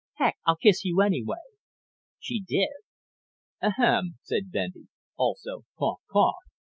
Heck, I'll kiss you anyway." She did. "Ahem," said Bendy. "Also cough cough.